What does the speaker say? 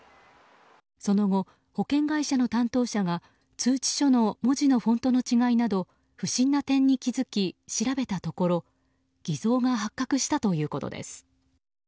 その後、保険会社の担当者が通知書の文字のフォントの違いなど不審な点に気付き調べたところ偽造が発覚したということです。